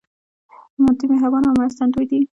دوی مهربان او مرستندوی دي.